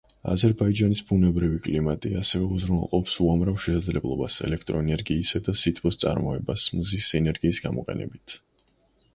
აზერბაიჯანის ბუნებრივი კლიმატი ასევე უზრუნველყოფს უამრავ შესაძლებლობას ელექტროენერგიისა და სითბოს წარმოებას მზის ენერგიის გამოყენებით.